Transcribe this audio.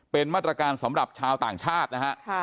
เป็นมาตรการสำหรับชาวต่างชาตินะฮะ